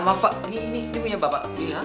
maaf pak ini punya bapak